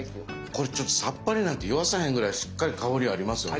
これちょっとさっぱりなんて言わさへんぐらいしっかり香りありますよね。